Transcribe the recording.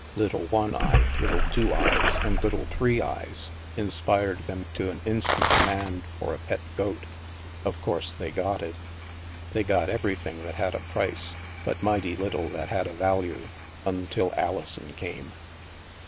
"Little One Eye, little Two Eyes, and little Three Eyes," in spired them to an instant demand for a pet goat Of course they got it. They got everything that had a price, but mighty little that had a value — until Alison came.